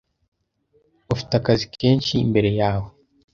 Ufite akazi kenshi imbere yawe.